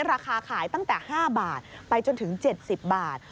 ราคาขายตั้งแต่๕บาทไปจนถึง๗๐บาท